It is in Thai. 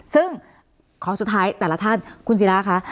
ซึ่งขอสุดท้ายแต่ละท่านคุณศิราคะ